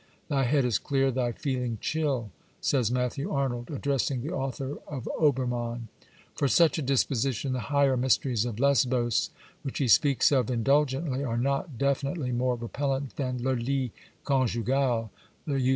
2 " Thy head is clear, thy feeling chill," says Matthew Arnold, addressing the author of Obennann. For such a disposition the higher mysteries of Lesbos, which he speaks of in dulgently, are not definitely more repellent than le lit conjugal, the usage of which he condemns.